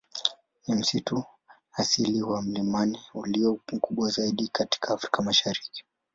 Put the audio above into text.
Ni msitu asili wa milimani ulio mkubwa zaidi katika Afrika Mashariki.